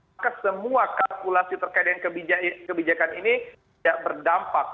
maka semua kalkulasi terkait dengan kebijakan ini tidak berdampak